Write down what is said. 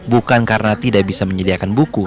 bukan karena tidak bisa menyediakan buku